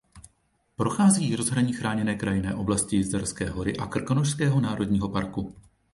Prochází jí rozhraní Chráněné krajinné oblasti Jizerské hory a Krkonošského národního parku.